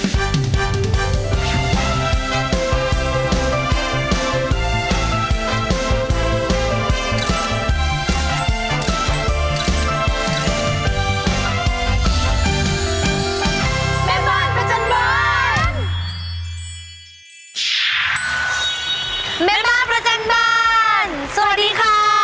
สวัสดีค่ะ